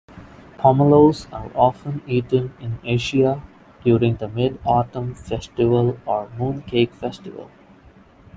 Pomelos are often eaten in Asia during the mid-autumn festival or mooncake festival.